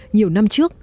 nhiều năm trước